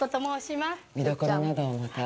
見どころなどを、また。